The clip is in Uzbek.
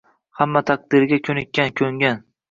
Hamma taqdiriga koʻnikkan, koʻngan.